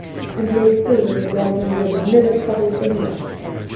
and lay still in the darkened room, and never troubled any one.